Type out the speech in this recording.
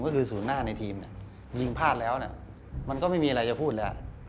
ก็คือศูนย์หน้าในทีมเนี่ยยิงพลาดแล้วมันก็ไม่มีอะไรจะพูดแล้ว